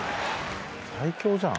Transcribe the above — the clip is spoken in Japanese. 最強じゃん。